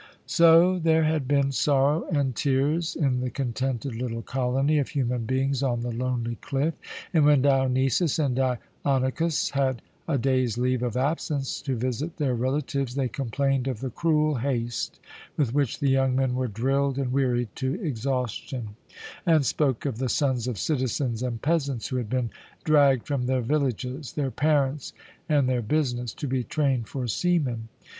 So there had been sorrow and tears in the contented little colony of human beings on the lonely cliff, and when Dionysus and Dionichos had a day's leave of absence to visit their relatives, they complained of the cruel haste with which the young men were drilled and wearied to exhaustion, and spoke of the sons of citizens and peasants who had been dragged from their villages, their parents, and their business to be trained for seamen.